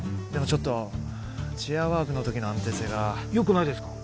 ちょっとチェアワークの時の安定性がよくないですか？